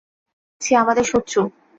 সে আমাদের শত্রু।